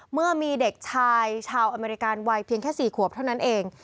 เมื่อมีเด็กชายชาวอเมริกาวัยเพียงแค่๔ขวบเท่านั้นเอง